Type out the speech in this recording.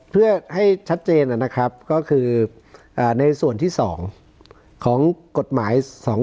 เพื่อให้ชัดเจนนะครับก็คือในส่วนที่๒ของกฎหมาย๒๕๖